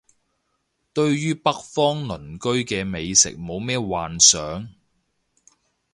對於北方鄰居嘅美食冇咩幻想